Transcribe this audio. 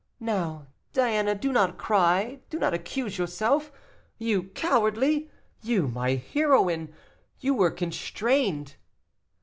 "Now, Diana, do not cry, do not accuse yourself. You cowardly! you, my heroine! you were constrained."